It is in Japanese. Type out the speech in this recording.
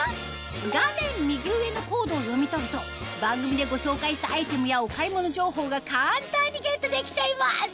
画面右上のコードを読み取ると番組でご紹介したアイテムやお買い物情報が簡単にゲットできちゃいます